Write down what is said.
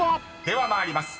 ［では参ります。